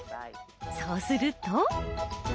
そうすると。